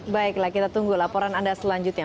baiklah kita tunggu laporan anda selanjutnya